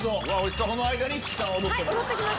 その間市來さんは踊ってます。